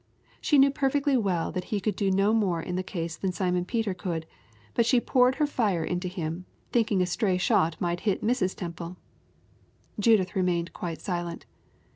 She knew perfectly well that he could do no more in the case than Simon Peter could, but she poured her fire into him, thinking a stray shot might hit Mrs. Temple. Judith remained quite silent.